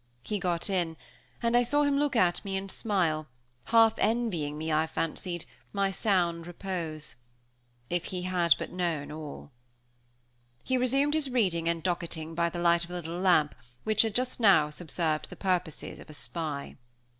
He got in, and I saw him look at me and smile, half envying me, I fancied, my sound repose. If he had but known all! He resumed his reading and docketing by the light of the little lamp which had just subserved the purposes of a spy.